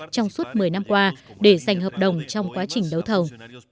trong suốt một mươi năm qua để giành hợp đồng trong quá trình đấu thầu